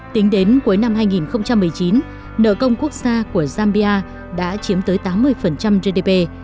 tính đến cuối năm hai nghìn một mươi chín nợ công quốc gia của zambia đã chiếm tới tám mươi gdp